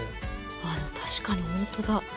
ああでも確かに本当だ。